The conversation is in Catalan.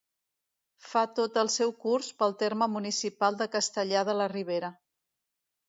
Fa tot el seu curs pel terme municipal de Castellar de la Ribera.